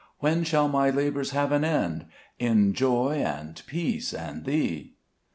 When shall my labors have an end, In joy and peace, and thee ?